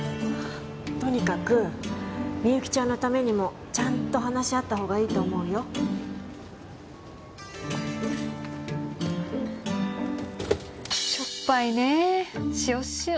とにかくみゆきちゃんのためにもちゃんと話し合った方がいいと思うよしょっぱいねえしおっしお